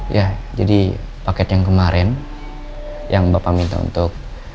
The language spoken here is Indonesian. ya jadi paket yang kemarin yang bapak minta untuk